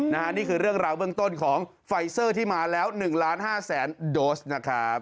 นี่คือเรื่องราวเบื้องต้นของไฟเซอร์ที่มาแล้ว๑ล้าน๕แสนโดสนะครับ